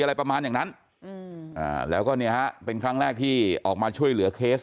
อะไรประมาณอย่างนั้นแล้วก็เนี่ยฮะเป็นครั้งแรกที่ออกมาช่วยเหลือเคส